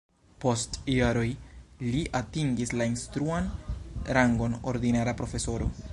Post jaroj li atingis la instruan rangon ordinara profesoro.